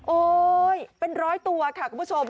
โอ๊ยเป็นร้อยตัวค่ะคุณผู้ชม